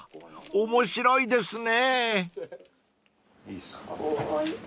［面白いですね］